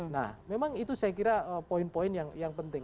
nah memang itu saya kira poin poin yang penting